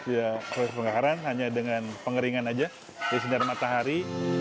ya proses pengaharan hanya dengan pengeringan aja dari sinar matahari